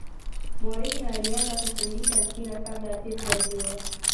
mourinho alianza kufundisha mpira kabla ya pep guardiola